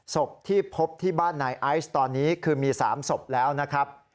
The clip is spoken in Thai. ศพที่พบที่บ้านนายไอซ์ตอนนี้คือมี๓ศพแล้วนะครับ